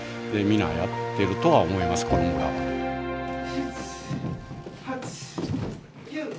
７８９。